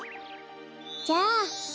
じゃあ。